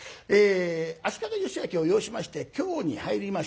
足利義昭を擁しまして京に入りました